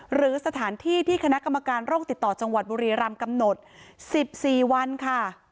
หรือสถานที่ที่คณะกรรมการโรคติดต่อจังหวัดบุรีรำกำหนด๑๔วันค่ะ